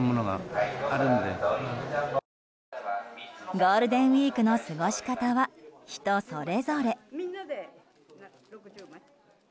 ゴールデンウィークの過ごし方は人それぞれ。